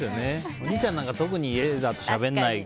お兄ちゃんなんか特に家だとしゃべらない。